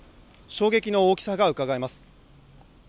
衝撃の大きさがうかがえます。